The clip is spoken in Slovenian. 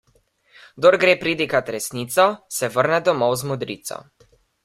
Kdor gre pridigat resnico, se vrne domov z modrico.